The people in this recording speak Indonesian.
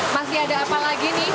masih ada apa lagi nih